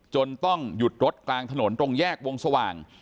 ต้องหยุดรถกลางถนนตรงแยกวงสว่าง